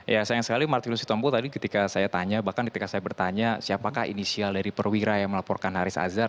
ya sayang sekali martinus sitompul tadi ketika saya tanya bahkan ketika saya bertanya siapakah inisial dari perwira yang melaporkan haris azhar